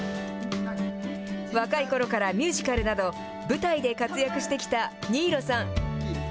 若いころからミュージカルなど、舞台で活躍してきた新納さん。